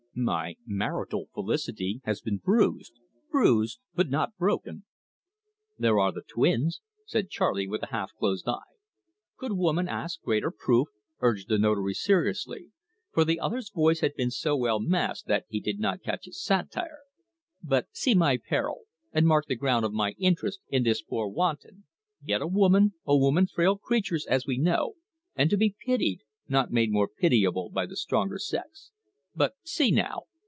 My marital felicity has been bruised bruised but not broken." "There are the twins," said Charley, with a half closed eye. "Could woman ask greater proof?" urged the Notary seriously, for the other's voice had been so well masked that he did not catch its satire. "But see my peril, and mark the ground of my interest in this poor wanton! Yet a woman a woman frail creatures, as we know, and to be pitied, not made more pitiable by the stronger sex.... But, see now!